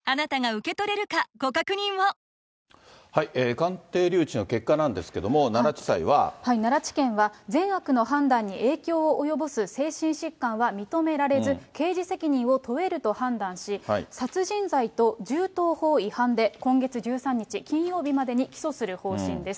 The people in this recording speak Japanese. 鑑定留置の結果なんですけれども、奈良地検は、善悪の判断に影響を及ぼす精神疾患は認められず、刑事責任を問えると判断し、殺人罪と銃刀法違反で、今月１３日金曜日までに起訴する方針です。